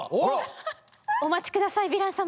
お待ち下さいヴィラン様。